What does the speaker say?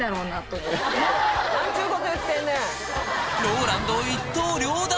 ＲＯＬＡＮＤを一刀両断！